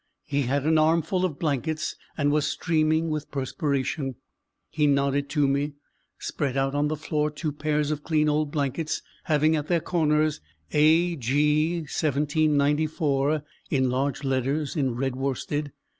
He had an armful of blankets and was streaming with perspiration. He nodded to me, spread out on the floor two pairs of clean old blankets having at their corners, "A.G., 1794," in large letters in red worsted.